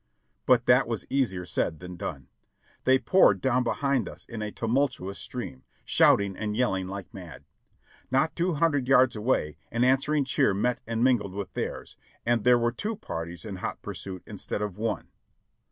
But that was easier said than done. They poured down be hind us in a tumultuous stream, shouting and yelling like mad. Not two hundred yards away an answering cheer met and mingled with theirs, and there were two parties in hot pursuit instead of one.